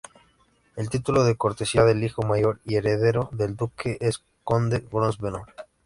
El título de cortesía del hijo mayor y heredero del Duque es "Conde Grosvenor".